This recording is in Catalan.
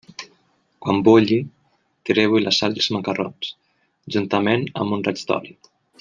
Quan bulli, tireu-hi la sal i els macarrons, juntament amb un raig d'oli.